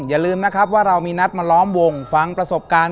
อย่าลืมนะครับว่าเรามีนัดมาล้อมวงฟังประสบการณ์